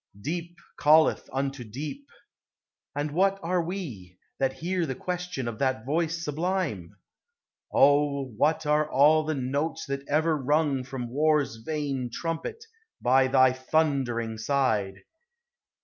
Deep calleth unto deep. And what are we, That hear the question of that voice sublime? O, what are all the notes that ever rung From war's vain trumpet, by thy thundering side?